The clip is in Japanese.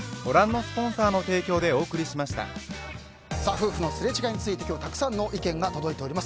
夫婦のすれ違いについて今日、たくさんの意見が届いております。